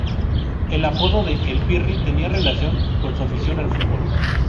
El apodo de "El Pirri" tenía relación con su afición al fútbol.